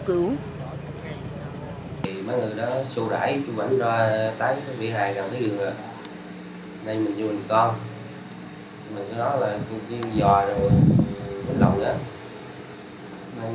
trước đó là cùng chìm giò rồi bình lòng nữa